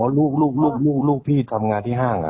หรือลูกพี่ทำงานที่ห้างครับ